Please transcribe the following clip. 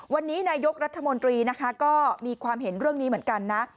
วันนี้นายกรัฐมนตรีนะคะก็มีความเห็นเรื่องนี้เหมือนกันนะ